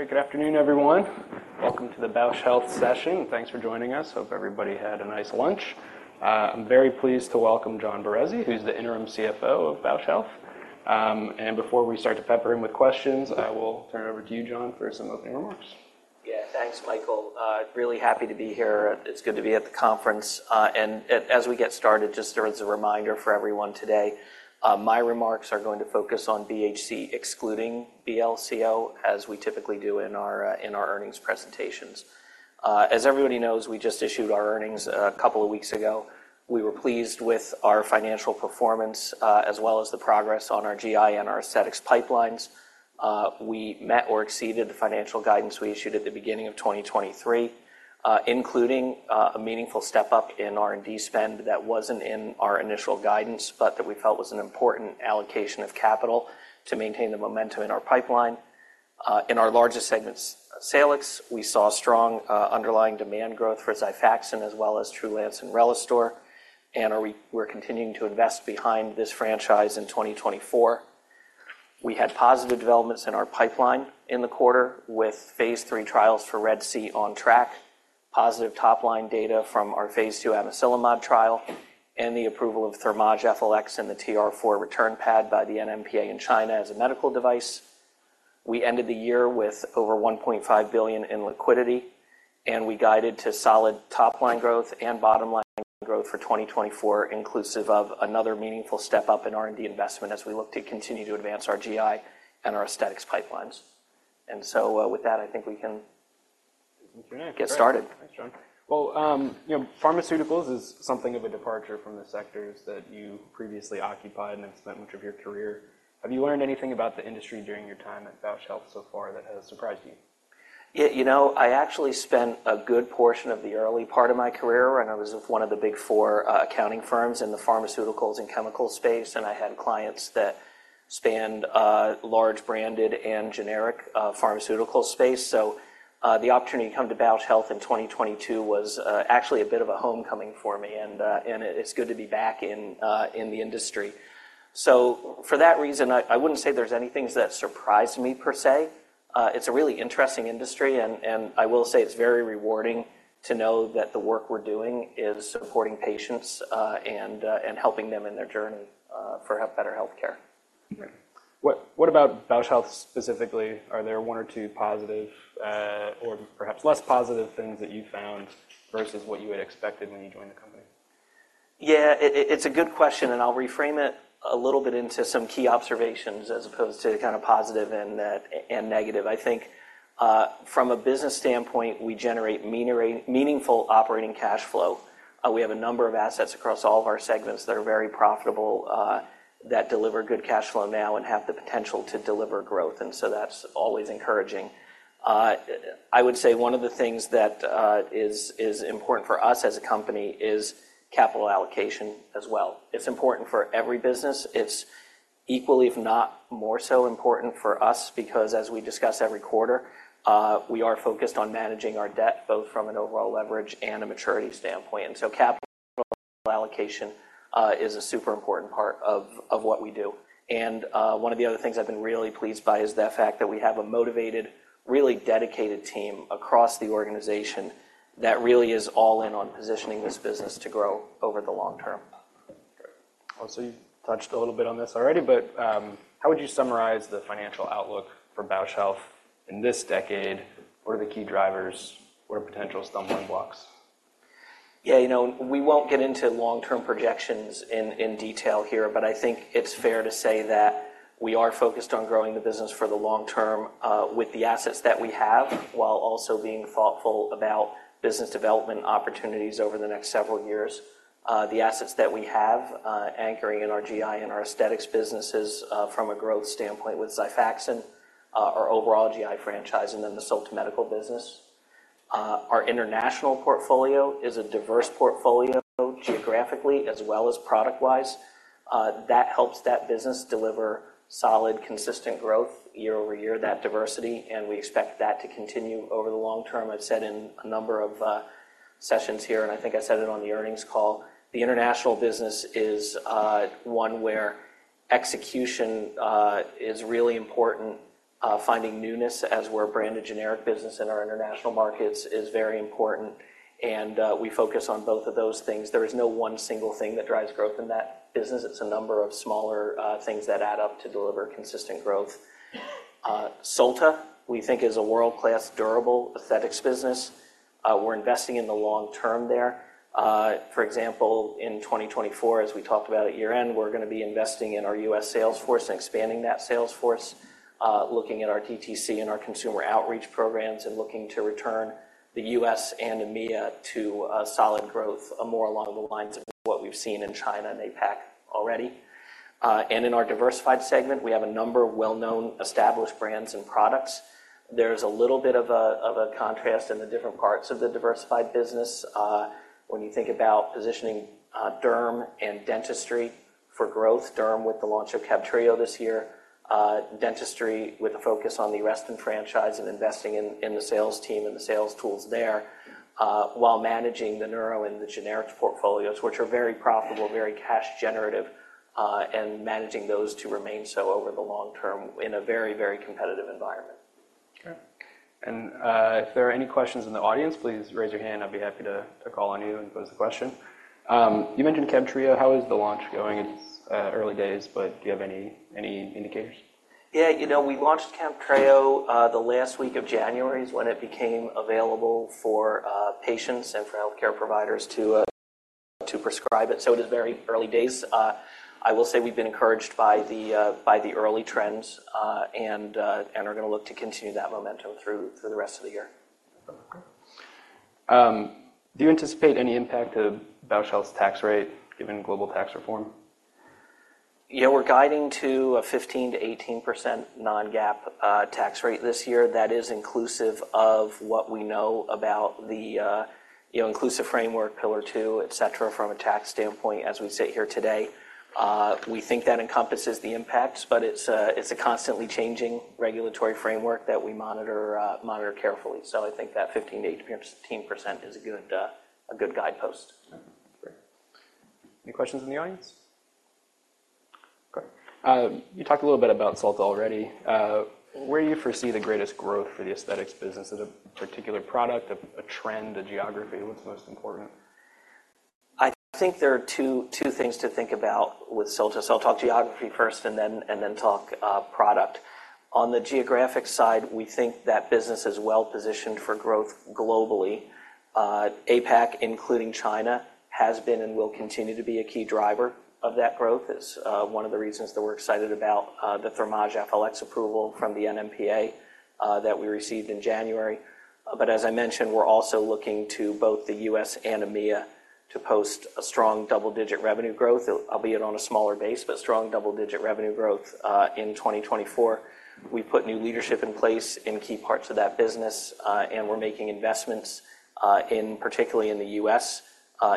Great. Good afternoon, everyone. Welcome to the Bausch Health session. Thanks for joining us. Hope everybody had a nice lunch. I'm very pleased to welcome John Barresi, who's the interim CFO of Bausch Health. Before we start to pepper him with questions, I will turn it over to you, John, for some opening remarks. Yeah. Thanks, Michael. Really happy to be here. It's good to be at the conference. As we get started, just as a reminder for everyone today, my remarks are going to focus on BHC excluding BLCO, as we typically do in our earnings presentations. As everybody knows, we just issued our earnings a couple of weeks ago. We were pleased with our financial performance as well as the progress on our GI and our aesthetics pipelines. We met or exceeded the financial guidance we issued at the beginning of 2023, including a meaningful step up in R&D spend that wasn't in our initial guidance but that we felt was an important allocation of capital to maintain the momentum in our pipeline. In our largest segments, Salix, we saw strong underlying demand growth for Xifaxan as well as Trulance and Relistor, and we're continuing to invest behind this franchise in 2024. We had positive developments in our pipeline in the quarter with phase three trials for RED-C on track, positive topline data from our phase two amiselimod trial, and the approval of Thermage FLX and the TR-4 return pad by the NMPA in China as a medical device. We ended the year with over $1.5 billion in liquidity, and we guided to solid topline growth and bottomline growth for 2024, inclusive of another meaningful step up in R&D investment as we look to continue to advance our GI and our aesthetics pipelines. And so with that, I think we can get started. Thanks, John. Well, pharmaceuticals is something of a departure from the sectors that you previously occupied and have spent much of your career. Have you learned anything about the industry during your time at Bausch Health so far that has surprised you? I actually spent a good portion of the early part of my career when I was with one of the Big Four accounting firms in the pharmaceuticals and chemical space, and I had clients that spanned large branded and generic pharmaceutical space. The opportunity to come to Bausch Health in 2022 was actually a bit of a homecoming for me, and it's good to be back in the industry. For that reason, I wouldn't say there's anything that surprised me per se. It's a really interesting industry, and I will say it's very rewarding to know that the work we're doing is supporting patients and helping them in their journey for better healthcare. What about Bausch Health specifically? Are there one or two positive or perhaps less positive things that you found versus what you had expected when you joined the company? Yeah. It's a good question, and I'll reframe it a little bit into some key observations as opposed to kind of positive and negative. I think from a business standpoint, we generate meaningful operating cash flow. We have a number of assets across all of our segments that are very profitable that deliver good cash flow now and have the potential to deliver growth. And so that's always encouraging. I would say one of the things that is important for us as a company is capital allocation as well. It's important for every business. It's equally, if not more so important for us because, as we discuss every quarter, we are focused on managing our debt both from an overall leverage and a maturity standpoint. And so capital allocation is a super important part of what we do. One of the other things I've been really pleased by is the fact that we have a motivated, really dedicated team across the organization that really is all in on positioning this business to grow over the long term. Great. So you touched a little bit on this already, but how would you summarize the financial outlook for Bausch Health in this decade? What are the key drivers? What are potential stumbling blocks? Yeah. We won't get into long-term projections in detail here, but I think it's fair to say that we are focused on growing the business for the long term with the assets that we have while also being thoughtful about business development opportunities over the next several years. The assets that we have anchoring in our GI and our aesthetics businesses from a growth standpoint with Xifaxan, our overall GI franchise, and then the Solta Medical business. Our international portfolio is a diverse portfolio geographically as well as product-wise. That helps that business deliver solid, consistent growth year over year, that diversity, and we expect that to continue over the long term. I've said in a number of sessions here, and I think I said it on the earnings call, the international business is one where execution is really important. Finding newness as we're a branded generic business in our international markets is very important, and we focus on both of those things. There is no one single thing that drives growth in that business. It's a number of smaller things that add up to deliver consistent growth. Solta, we think, is a world-class durable aesthetics business. We're investing in the long term there. For example, in 2024, as we talked about at year-end, we're going to be investing in our U.S.. salesforce and expanding that salesforce, looking at our DTC and our consumer outreach programs and looking to return the US. and EMEA to solid growth more along the lines of what we've seen in China and APAC already. In our diversified segment, we have a number of well-known established brands and products. There's a little bit of a contrast in the different parts of the diversified business when you think about positioning derm and dentistry for growth. Derm with the launch of CABTREO this year, dentistry with a focus on the ARESTIN franchise and investing in the sales team and the sales tools there while managing the neuro and the generics portfolios, which are very profitable, very cash-generative, and managing those to remain so over the long term in a very, very competitive environment. Okay. If there are any questions in the audience, please raise your hand. I'll be happy to call on you and pose the question. You mentioned CABTREO. How is the launch going? It's early days, but do you have any indicators? Yeah. We launched CABTREO the last week of January is when it became available for patients and for healthcare providers to prescribe it. So it is very early days. I will say we've been encouraged by the early trends and are going to look to continue that momentum through the rest of the year. Great. Do you anticipate any impact to Bausch Health's tax rate given global tax reform? Yeah. We're guiding to a 15%-18% non-GAAP tax rate this year. That is inclusive of what we know about the inclusive framework, Pillar Two, etc., from a tax standpoint as we sit here today. We think that encompasses the impacts, but it's a constantly changing regulatory framework that we monitor carefully. So I think that 15%-18% is a good guidepost. Great. Any questions in the audience? Okay. You talked a little bit about Solta already. Where do you foresee the greatest growth for the aesthetics business, a particular product, a trend, a geography? What's most important? I think there are two things to think about with Solta. So I'll talk geography first and then talk product. On the geographic side, we think that business is well-positioned for growth globally. APAC, including China, has been and will continue to be a key driver of that growth. It's one of the reasons that we're excited about the Thermage FLX approval from the NMPA that we received in January. But as I mentioned, we're also looking to both the U.S. and EMEA to post a strong double-digit revenue growth, albeit on a smaller base, but strong double-digit revenue growth in 2024. We put new leadership in place in key parts of that business, and we're making investments, particularly in the U.S.,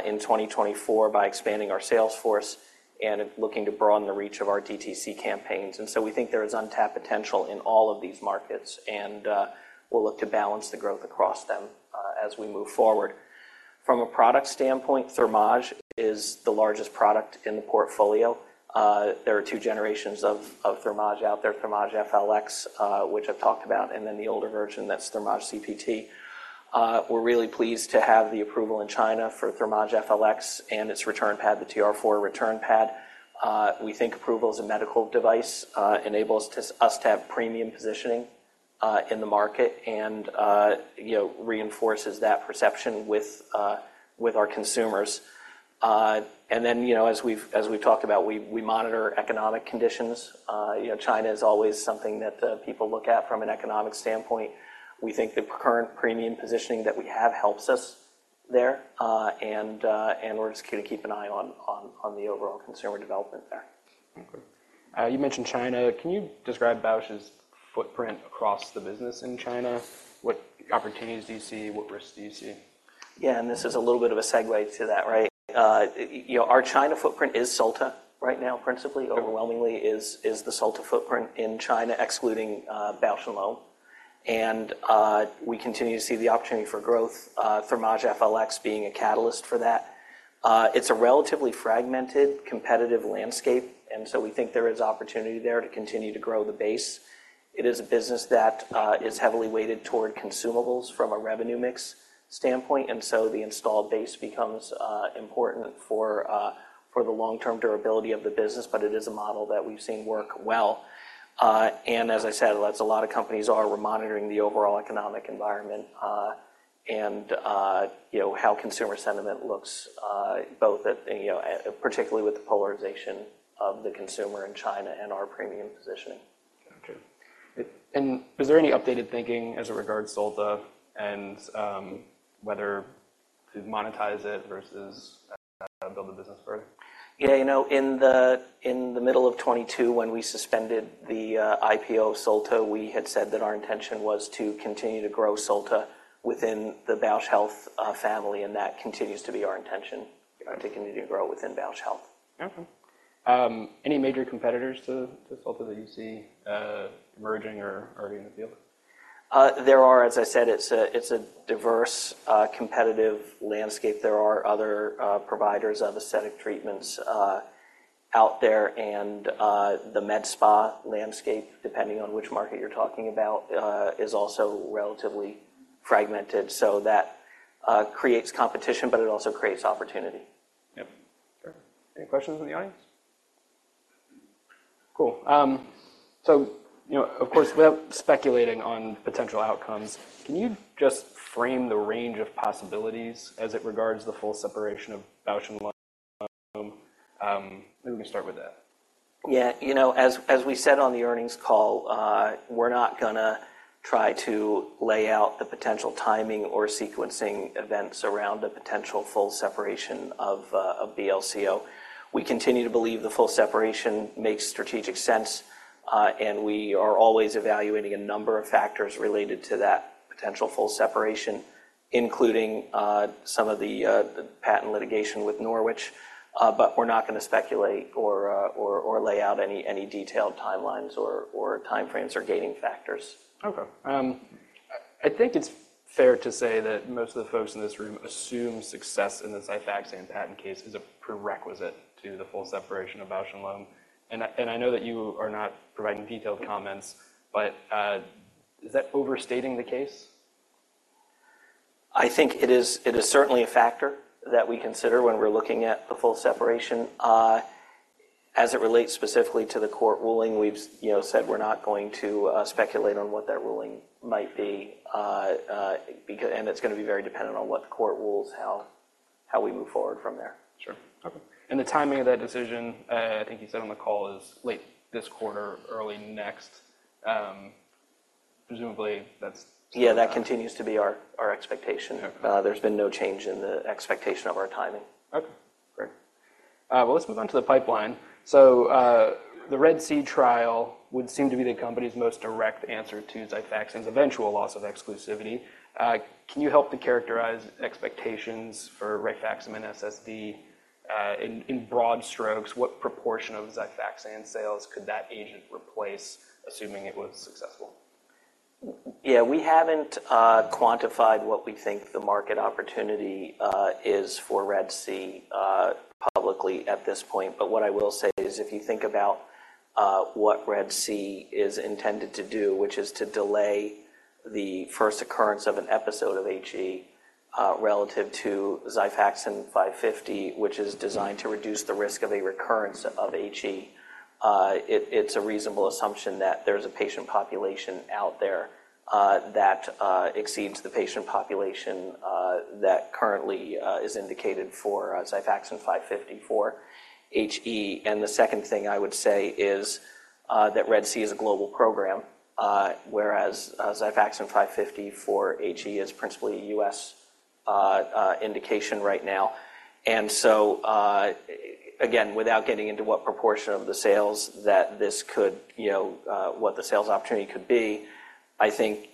in 2024 by expanding our salesforce and looking to broaden the reach of our DTC campaigns. We think there is untapped potential in all of these markets, and we'll look to balance the growth across them as we move forward. From a product standpoint, Thermage is the largest product in the portfolio. There are two generations of Thermage out there, Thermage FLX, which I've talked about, and then the older version, that's Thermage CPT. We're really pleased to have the approval in China for Thermage FLX and its return pad, the TR-4 return pad. We think approval as a medical device enables us to have premium positioning in the market and reinforces that perception with our consumers. As we've talked about, we monitor economic conditions. China is always something that people look at from an economic standpoint. We think the current premium positioning that we have helps us there, and we're just keeping an eye on the overall consumer development there. Okay. You mentioned China. Can you describe Bausch's footprint across the business in China? What opportunities do you see? What risks do you see? Yeah. And this is a little bit of a segue to that, right? Our China footprint is Solta right now, principally. Overwhelmingly, it is the Solta footprint in China, excluding Bausch + Lomb. And we continue to see the opportunity for growth, Thermage FLX being a catalyst for that. It's a relatively fragmented, competitive landscape, and so we think there is opportunity there to continue to grow the base. It is a business that is heavily weighted toward consumables from a revenue mix standpoint, and so the installed base becomes important for the long-term durability of the business, but it is a model that we've seen work well. And as I said, as a lot of companies are, we're monitoring the overall economic environment and how consumer sentiment looks, both particularly with the polarization of the consumer in China and our premium positioning. Gotcha. And is there any updated thinking as regards Solta and whether to monetize it versus build the business further? Yeah. In the middle of 2022, when we suspended the IPO Solta, we had said that our intention was to continue to grow Solta within the Bausch Health family, and that continues to be our intention, to continue to grow within Bausch Health. Okay. Any major competitors to Solta that you see emerging or already in the field? There are. As I said, it's a diverse, competitive landscape. There are other providers of aesthetic treatments out there, and the med spa landscape, depending on which market you're talking about, is also relatively fragmented. So that creates competition, but it also creates opportunity. Yep. Any questions in the audience? Cool. So, of course, without speculating on potential outcomes, can you just frame the range of possibilities as it regards the full separation of Bausch + Lomb? Maybe we can start with that. Yeah. As we said on the earnings call, we're not going to try to lay out the potential timing or sequencing events around a potential full separation of BLCO. We continue to believe the full separation makes strategic sense, and we are always evaluating a number of factors related to that potential full separation, including some of the patent litigation with Norwich. But we're not going to speculate or lay out any detailed timelines or timeframes or gating factors. Okay. I think it's fair to say that most of the folks in this room assume success in the Xifaxan patent case is a prerequisite to the full separation of Bausch + Lomb. And I know that you are not providing detailed comments, but is that overstating the case? I think it is certainly a factor that we consider when we're looking at the full separation. As it relates specifically to the court ruling, we've said we're not going to speculate on what that ruling might be, and it's going to be very dependent on what the court rules, how we move forward from there. Sure. Okay. The timing of that decision, I think you said on the call, is late this quarter, early next. Presumably, that's. Yeah. That continues to be our expectation. There's been no change in the expectation of our timing. Okay. Great. Well, let's move on to the pipeline. The RED-C trial would seem to be the company's most direct answer to Xifaxan's eventual loss of exclusivity. Can you help to characterize expectations for rifaximin SSD? In broad strokes, what proportion of Xifaxan sales could that agent replace, assuming it was successful? Yeah. We haven't quantified what we think the market opportunity is for RED-C publicly at this point. But what I will say is if you think about what RED-C is intended to do, which is to delay the first occurrence of an episode of HE relative to Xifaxan 550, which is designed to reduce the risk of a recurrence of HE, it's a reasonable assumption that there's a patient population out there that exceeds the patient population that currently is indicated for Xifaxan 550 for HE. And the second thing I would say is that RED-C is a global program, whereas Xifaxan 550 for HE is principally a U.S. indication right now. And so, again, without getting into what proportion of the sales that this could, what the sales opportunity could be, I think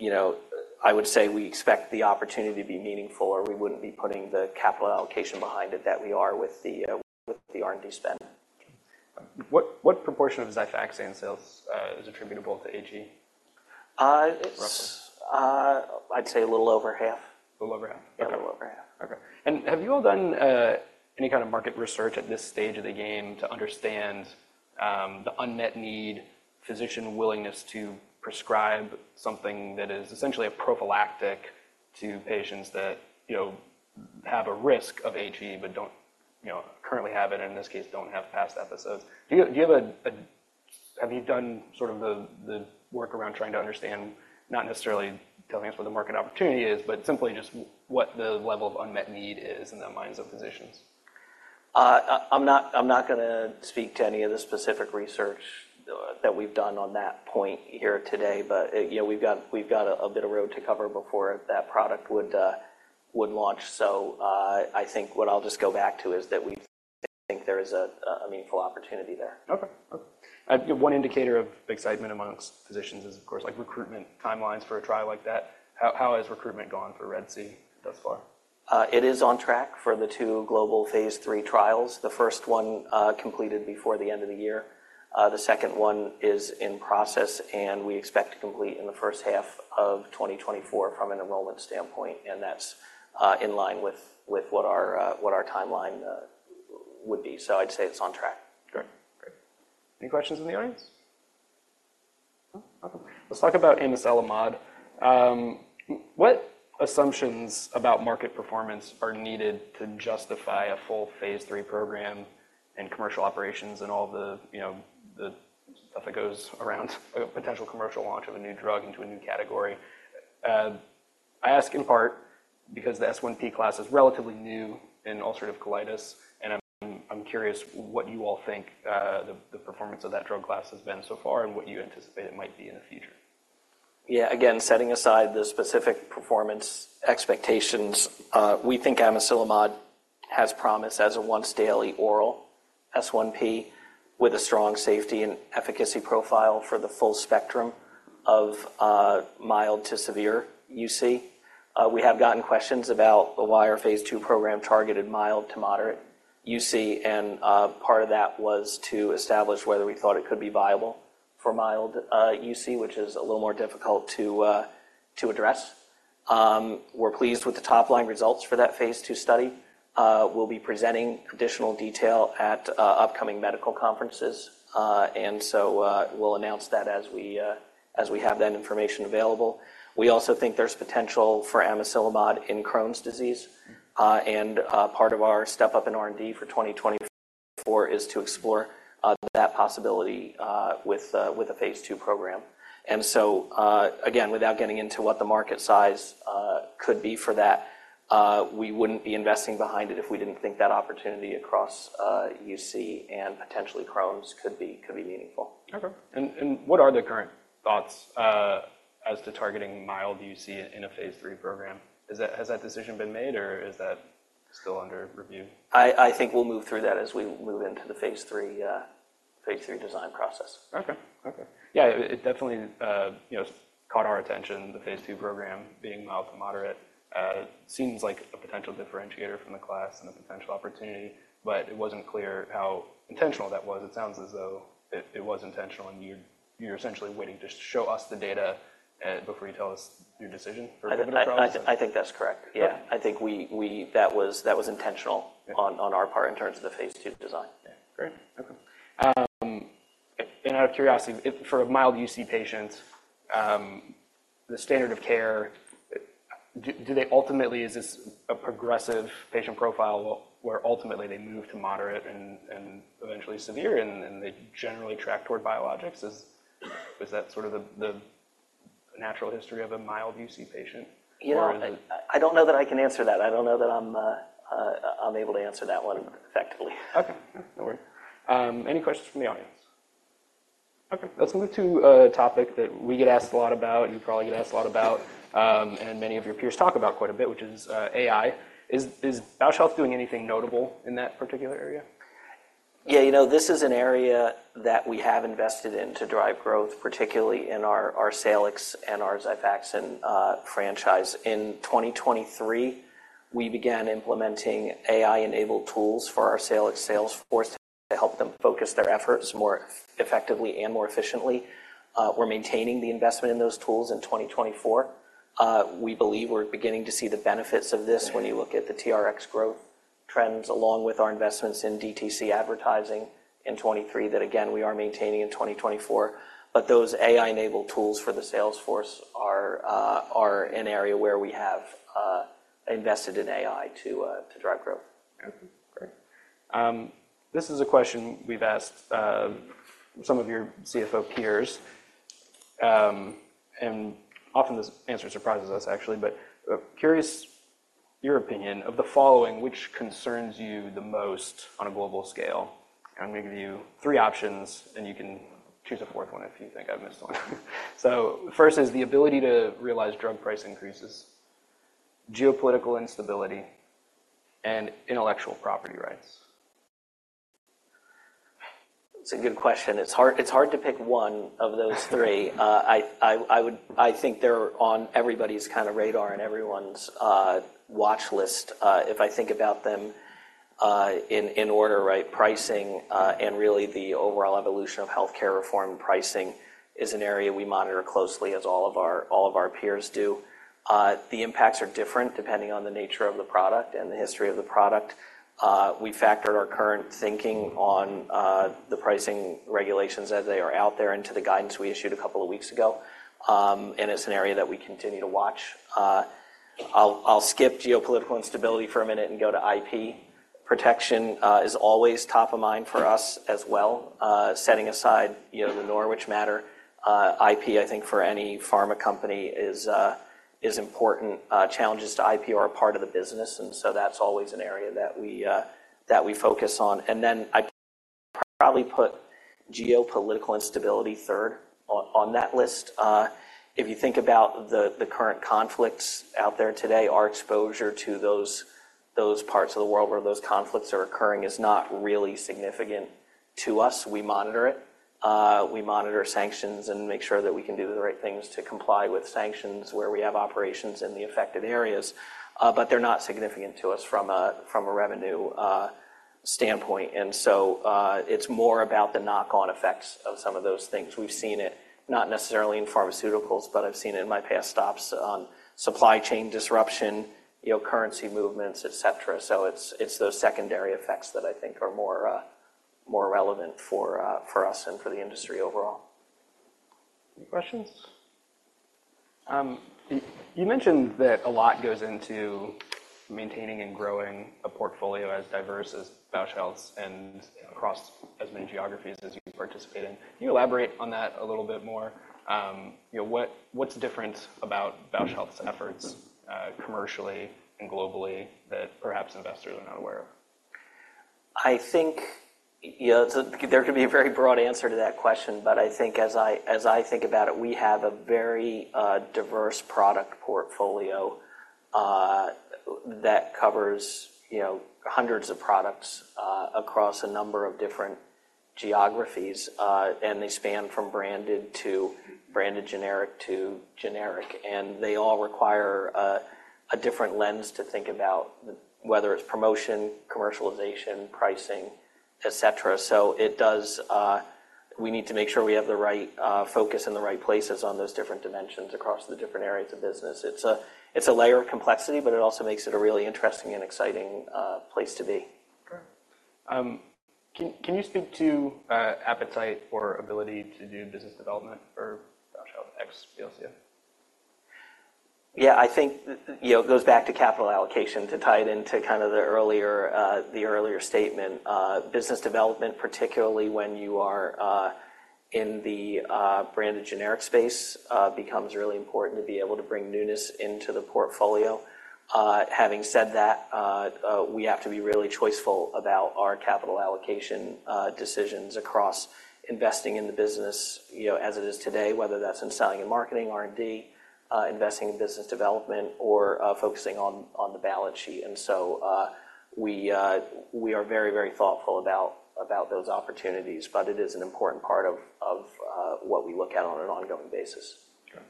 I would say we expect the opportunity to be meaningful, or we wouldn't be putting the capital allocation behind it that we are with the R&D spend. What proportion of Xifaxan sales is attributable to HE, roughly? I'd say a little over half. A little over half? Yeah. A little over half. Okay. Have you all done any kind of market research at this stage of the game to understand the unmet need, physician willingness to prescribe something that is essentially a prophylactic to patients that have a risk of HE but don't currently have it and, in this case, don't have past episodes? Have you done sort of the work around trying to understand, not necessarily telling us what the market opportunity is, but simply just what the level of unmet need is in the minds of physicians? I'm not going to speak to any of the specific research that we've done on that point here today, but we've got a bit of road to cover before that product would launch. So I think what I'll just go back to is that we think there is a meaningful opportunity there. Okay. One indicator of excitement among physicians is, of course, recruitment timelines for a trial like that. How has recruitment gone for RED-C thus far? It is on track for the two global phase III trials, the first one completed before the end of the year. The second one is in process, and we expect to complete in the first half of 2024 from an enrollment standpoint, and that's in line with what our timeline would be. So I'd say it's on track. Great. Great. Any questions in the audience? No? Okay. Let's talk about amiselimod. What assumptions about market performance are needed to justify a full phase II program and commercial operations and all of the stuff that goes around a potential commercial launch of a new drug into a new category? I ask in part because the S1P class is relatively new in ulcerative colitis, and I'm curious what you all think the performance of that drug class has been so far and what you anticipate it might be in the future. Yeah. Again, setting aside the specific performance expectations, we think amiselimod has promise as a once-daily oral S1P with a strong safety and efficacy profile for the full spectrum of mild to severe UC. We have gotten questions about why our phase II program targeted mild to moderate UC, and part of that was to establish whether we thought it could be viable for mild UC, which is a little more difficult to address. We're pleased with the top-line results for that phase II study. We'll be presenting additional detail at upcoming medical conferences, and so we'll announce that as we have that information available. We also think there's potential for amiselimod in Crohn's disease, and part of our step-up in R&D for 2024 is to explore that possibility with a phase II program. And so, again, without getting into what the market size could be for that, we wouldn't be investing behind it if we didn't think that opportunity across UC and potentially Crohn's could be meaningful. Okay. And what are the current thoughts as to targeting mild UC in a phase III program? Has that decision been made, or is that still under review? I think we'll move through that as we move into the phase III design process. Okay. Okay. Yeah. It definitely caught our attention, the phase II program being mild to moderate. Seems like a potential differentiator from the class and a potential opportunity, but it wasn't clear how intentional that was. It sounds as though it was intentional, and you're essentially waiting to show us the data before you tell us your decision for a little bit of Crohn's. I think that's correct. Yeah. I think that was intentional on our part in terms of the phase II design. Yeah. Great. Okay. Out of curiosity, for mild UC patients, the standard of care, is this a progressive patient profile where ultimately they move to moderate and eventually severe, and they generally track toward biologics? Is that sort of the natural history of a mild UC patient, or is it? Yeah. I don't know that I can answer that. I don't know that I'm able to answer that one effectively. Okay. Yeah. No worries. Any questions from the audience? Okay. Let's move to a topic that we get asked a lot about, you probably get asked a lot about, and many of your peers talk about quite a bit, which is AI. Is Bausch Health doing anything notable in that particular area? Yeah. This is an area that we have invested in to drive growth, particularly in our Salix and our Xifaxan franchise. In 2023, we began implementing AI-enabled tools for our Salix salesforce to help them focus their efforts more effectively and more efficiently. We're maintaining the investment in those tools in 2024. We believe we're beginning to see the benefits of this when you look at the TRX growth trends along with our investments in DTC advertising in 2023 that, again, we are maintaining in 2024. But those AI-enabled tools for the salesforce are an area where we have invested in AI to drive growth. Okay. Great. This is a question we've asked some of your CFO peers, and often this answer surprises us, actually. But curious your opinion of the following, which concerns you the most on a global scale? I'm going to give you three options, and you can choose a fourth one if you think I've missed one. So first is the ability to realize drug price increases, geopolitical instability, and intellectual property rights. That's a good question. It's hard to pick one of those three. I think they're on everybody's kind of radar and everyone's watchlist if I think about them in order, right? Pricing and really the overall evolution of healthcare reform pricing is an area we monitor closely as all of our peers do. The impacts are different depending on the nature of the product and the history of the product. We factored our current thinking on the pricing regulations as they are out there into the guidance we issued a couple of weeks ago, and it's an area that we continue to watch. I'll skip geopolitical instability for a minute and go to IP. Protection is always top of mind for us as well, setting aside the Norwich matter. IP, I think, for any pharma company is important. Challenges to IP are a part of the business, and so that's always an area that we focus on. Then I'd probably put geopolitical instability third on that list. If you think about the current conflicts out there today, our exposure to those parts of the world where those conflicts are occurring is not really significant to us. We monitor it. We monitor sanctions and make sure that we can do the right things to comply with sanctions where we have operations in the affected areas, but they're not significant to us from a revenue standpoint. So it's more about the knock-on effects of some of those things. We've seen it not necessarily in pharmaceuticals, but I've seen it in my past stops on supply chain disruption, currency movements, etc. So it's those secondary effects that I think are more relevant for us and for the industry overall. Any questions? You mentioned that a lot goes into maintaining and growing a portfolio as diverse as Bausch Health and across as many geographies as you participate in. Can you elaborate on that a little bit more? What's different about Bausch Health's efforts commercially and globally that perhaps investors are not aware of? I think there could be a very broad answer to that question, but I think as I think about it, we have a very diverse product portfolio that covers hundreds of products across a number of different geographies, and they span from branded to branded generic to generic, and they all require a different lens to think about whether it's promotion, commercialization, pricing, etc. So we need to make sure we have the right focus in the right places on those different dimensions across the different areas of business. It's a layer of complexity, but it also makes it a really interesting and exciting place to be. Great. Can you speak to appetite or ability to do business development for Bausch Health BLCO? Yeah. I think it goes back to capital allocation to tie it into kind of the earlier statement. Business development, particularly when you are in the branded generic space, becomes really important to be able to bring newness into the portfolio. Having said that, we have to be really choiceful about our capital allocation decisions across investing in the business as it is today, whether that's in selling and marketing, R&D, investing in business development, or focusing on the balance sheet. And so we are very, very thoughtful about those opportunities, but it is an important part of what we look at on an ongoing basis. Okay.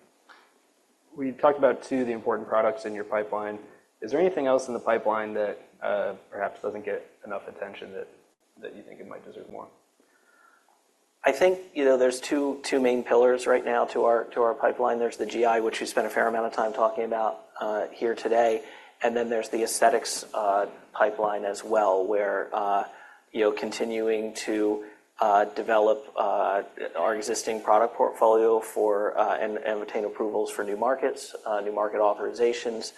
We talked about two of the important products in your pipeline. Is there anything else in the pipeline that perhaps doesn't get enough attention that you think it might deserve more? I think there's two main pillars right now to our pipeline. There's the GI, which we spent a fair amount of time talking about here today, and then there's the aesthetics pipeline as well, where continuing to develop our existing product portfolio and obtain approvals for new markets, new market authorizations,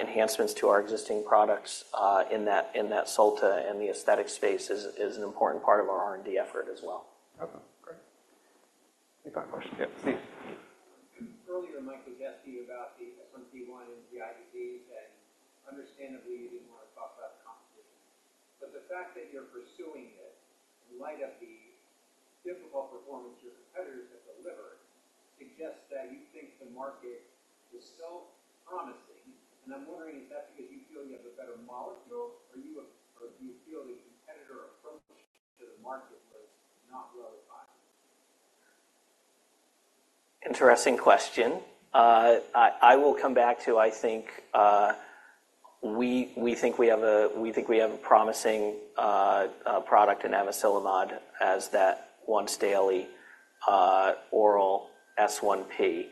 enhancements to our existing products in that Solta and the aesthetic space is an important part of our R&D effort as well. Okay. Great. Any final questions? Yeah. Steve. Earlier, Mike was asking you about the S1P1 and GI disease, and understandably, you didn't want to talk about the competition. But the fact that you're pursuing it in light of the difficult performance your competitors have delivered suggests that you think the market is still promising. And I'm wondering, is that because you feel you have a better molecule, or do you feel the competitor approach to the market was not well advised? Interesting question. I will come back to, I think we have a promising product in amiselimod as that once-daily oral S1P.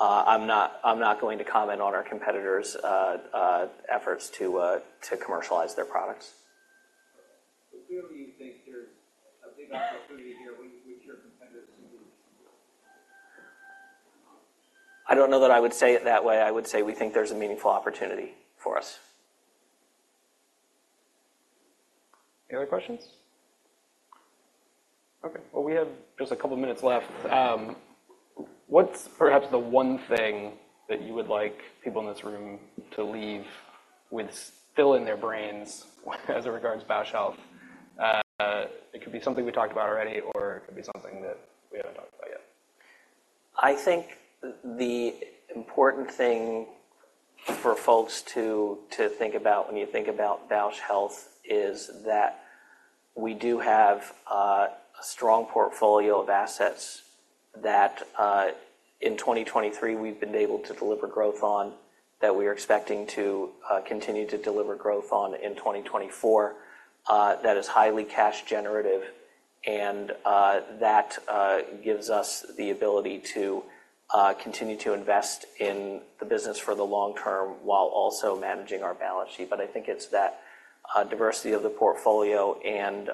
I'm not going to comment on our competitors' efforts to commercialize their products. Okay. But clearly, you think there's a big opportunity here. Which of your competitors think you're interested in? I don't know that I would say it that way. I would say we think there's a meaningful opportunity for us. Any other questions? Okay. Well, we have just a couple of minutes left. What's perhaps the one thing that you would like people in this room to leave with still in their brains as it regards Bausch Health? It could be something we talked about already, or it could be something that we haven't talked about yet. I think the important thing for folks to think about when you think about Bausch Health is that we do have a strong portfolio of assets that in 2023, we've been able to deliver growth on, that we are expecting to continue to deliver growth on in 2024, that is highly cash-generative, and that gives us the ability to continue to invest in the business for the long term while also managing our balance sheet. But I think it's that diversity of the portfolio and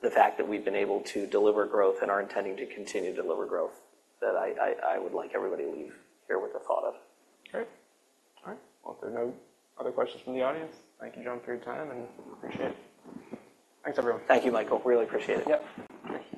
the fact that we've been able to deliver growth and are intending to continue to deliver growth that I would like everybody to leave here with a thought of. Great. All right. Well, if there are no other questions from the audience, thank you, John, for your time, and appreciate it. Thanks, everyone. Thank you, Michael. Really appreciate it. Yep. Cheers.